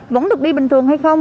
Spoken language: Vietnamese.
vẫn được đi bình thường hay không